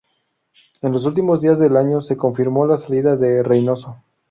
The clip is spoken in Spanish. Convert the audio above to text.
En los últimos días del año se confirmó la salida de Reynoso.